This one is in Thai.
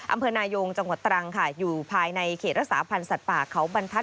อำเภอนายงจังหวัดตรังค่ะอยู่ภายในเขตรักษาพันธ์สัตว์ป่าเขาบรรทัศ